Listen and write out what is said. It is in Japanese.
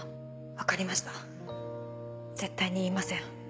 分かりました絶対に言いません